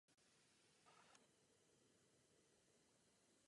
Záhy zveřejnila záměr část pozemků využít pro areál nové pobočky školy Open Gate.